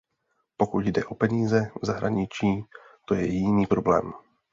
Pokud jde o peníze v zahraničí, to je jiný problém.